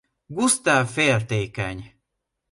Gusztáv féltékeny.